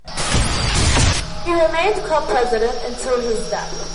He remained club president until his death.